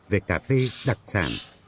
về cà phê đặc sản